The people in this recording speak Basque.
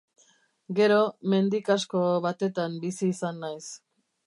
Gero, mendi kasko batetan bizi izan naiz.